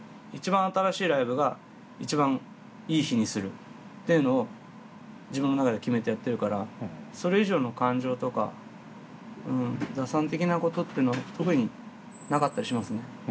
一番新しいライブが一番いい日にするっていうのを自分の中で決めてやってるからそれ以上の感情とか打算的なことっていうのは特になかったりしますね。